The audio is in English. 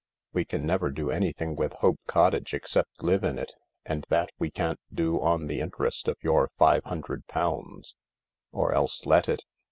We can never do any thing with Hope Cottage except live in it— *nd that we can't do on the interest of your five hundred pounds— or else let it.